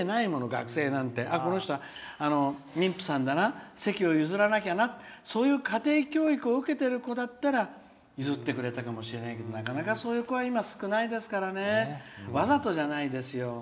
学生なんてこの人は妊婦さんだな席を譲らなきゃなそういう家庭教育を受けている子だったら譲ってくれたかもしれないけどなかなか今そういう子は少ないですからわざとじゃないですよ。